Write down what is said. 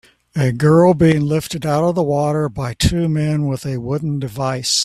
A girl being lifted out of the water by two men with a wooden device